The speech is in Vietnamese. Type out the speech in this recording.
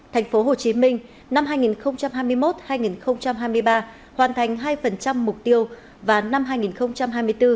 thành phố hồ chí minh năm hai nghìn hai mươi một hai nghìn hai mươi ba hoàn thành hai mục tiêu và năm hai nghìn hai mươi bốn